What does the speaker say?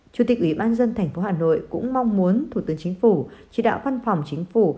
chủ tịch ủy ban dân thành phố hà nội cũng mong muốn thủ tướng chính phủ chỉ đạo văn phòng chính phủ